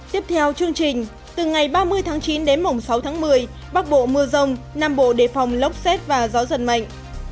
tiếp theo chương trình từ ngày ba mươi tháng chín đến mổng sáu tháng một mươi bắc bộ mưa rông nam bộ đề phòng lốc xét và gió giật mạnh